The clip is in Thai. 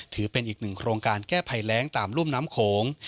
ถือเป็นอีกหนึ่งโครงการแก้ภัยแรงตามรุ่มน้ำโขง